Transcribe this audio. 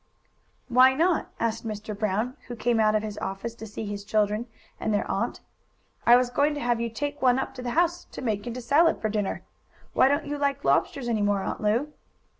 "Why not?" asked Mr. Brown, who came out of his office to see his children and their aunt. "I was going to have you take one up to the house to make into salad for dinner. Why don't you like lobsters any more, Aunt Lu?"